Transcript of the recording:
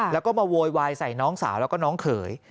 แล้วก็มาโวยวายใส่น้องสาวแล้วก็น้องเขย